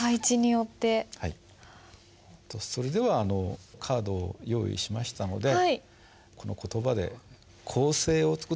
それではカードを用意しましたのでこの言葉で構成を作ってもらおうと思うんです。